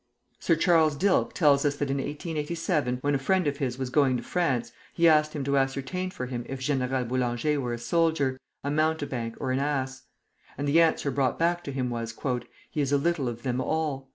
Sir Charles Dilke tells us that in 1887, when a friend of his was going to France, he asked him to ascertain for him if General Boulanger were a soldier, a mountebank, or an ass; and the answer brought back to him was, "He is a little of them all."